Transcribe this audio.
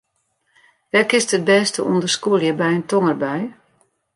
Wêr kinst it bêste ûnder skûlje by in tongerbui?